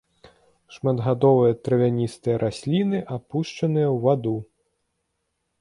Шматгадовыя травяністыя расліны, апушчаныя ў ваду.